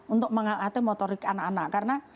untuk mengalatih motorik anak anak karena